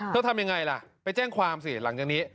ทำยังไงล่ะไปแจ้งความสิหลังจากนี้